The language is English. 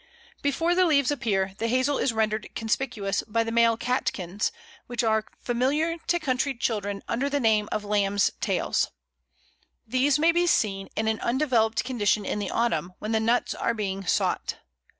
] Before the leaves appear the Hazel is rendered conspicuous by the male catkins, which are familiar to country children under the name of Lamb's tails. These may be seen in an undeveloped condition in the autumn, when the nuts are being sought.